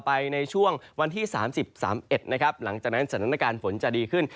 ไปในช่วงวันที่สามสิบสามเอ็ดนะครับหลังจากนั้นสถานการณ์ฝนจะดีขึ้น